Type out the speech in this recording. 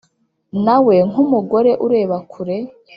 nawe nkumugore ureba kure